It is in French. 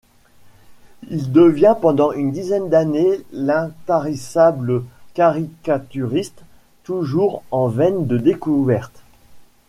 Il devient pendant une dizaine d'années l'intarissable caricaturiste toujours en veine de découverte.